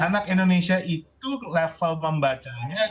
anak indonesia itu level membacanya